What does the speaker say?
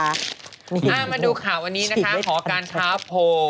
เอามาดูข่าววันนี้นะคะขอการท้าโพล